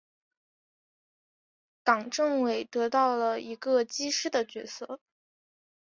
冈政伟得到了一个机师的角色。